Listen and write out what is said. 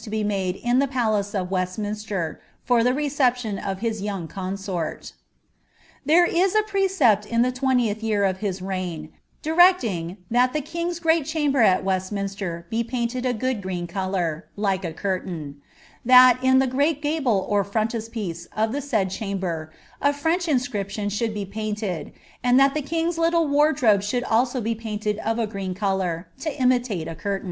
Pre« ccremonv, Henry had caused great improvetnenw palace of Weslminstcr, for the reception of his yon There is a precept in the twentieth year of hts reign, direeiinf the king's great chamber at Weatminater be psinlcd a good gT«eii colonr. like a curtain : that, in the great gable or frontispiece of the s&id e)am< ber, a French inscription should be painted, and that the king'* liitle wardrobe should also be painted of a green colour, to imitate & cttrtMO."